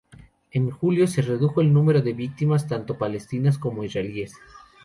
En julio se redujo el número de víctimas tanto palestinas como israelíes.